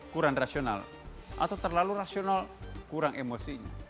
kurang rasional atau terlalu rasional kurang emosinya